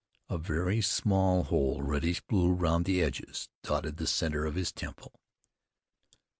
A very small hole, reddish blue round the edges, dotted the center of his temple.